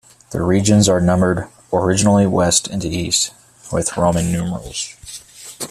The regions are numbered, originally west to east, with Roman numerals.